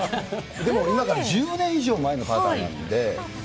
でも、今から１０年以上前のパターなんで。